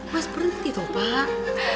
mas berhenti pak